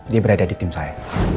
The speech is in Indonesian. dia berada di tim saya